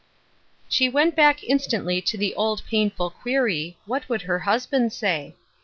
She went back instantly to the old painful query, What would her husband say